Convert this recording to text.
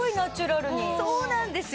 そうなんですよ。